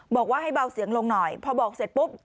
บอกว่าให้เบาเสียงลงหน่อยพอบอกเสร็จปุ๊บ